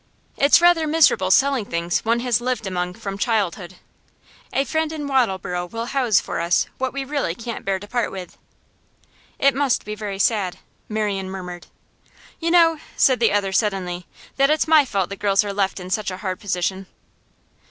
It's rather miserable selling things one has lived among from childhood. A friend in Wattleborough will house for us what we really can't bear to part with.' 'It must be very sad,' Marian murmured. 'You know,' said the other suddenly, 'that it's my fault the girls are left in such a hard position?